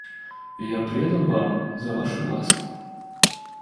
Я предан вам за вашу ласку.